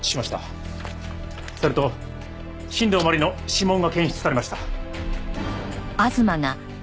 それと新道真理の指紋が検出されました。